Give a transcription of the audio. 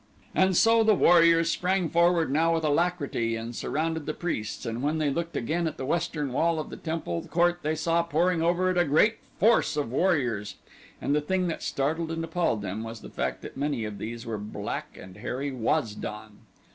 And so the warriors sprang forward now with alacrity and surrounded the priests, and when they looked again at the western wall of the temple court they saw pouring over it a great force of warriors. And the thing that startled and appalled them was the fact that many of these were black and hairy Waz don.